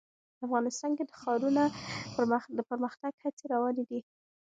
افغانستان کې د ښارونه د پرمختګ هڅې روانې دي.